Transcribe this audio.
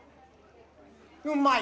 うまい！